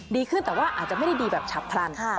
ดีขึ้นแต่ว่าอาจจะไม่ได้ดีแบบฉับพลัน